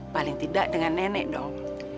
paling tidak dengan nenek dong